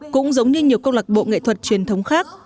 cũng giống như nhiều câu lạc bộ nghệ thuật truyền thống khác